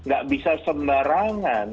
gak bisa sembarangan